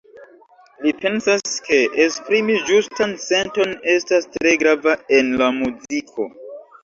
Li pensas, ke esprimi ĝustan senton estas tre grava en la muziko.